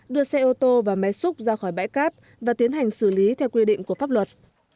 đưa xe ô tô và máy xúc ra khỏi bãi cát và tiến hành xử lý theo quy định của pháp luật